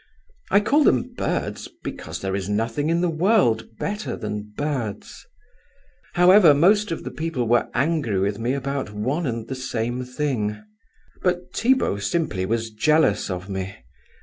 I call them birds because there is nothing in the world better than birds! "However, most of the people were angry with me about one and the same thing; but Thibaut simply was jealous of me.